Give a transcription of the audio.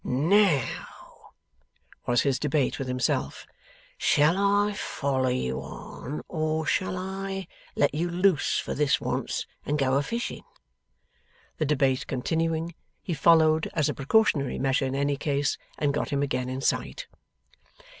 'Now,' was his debate with himself 'shall I foller you on, or shall I let you loose for this once, and go a fishing?' The debate continuing, he followed, as a precautionary measure in any case, and got him again in sight.